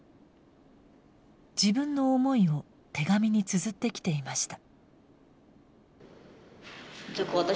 自分の思いを手紙につづってきていました。